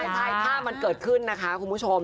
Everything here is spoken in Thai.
ใช่ถ้ามันเกิดขึ้นนะคะคุณผู้ชม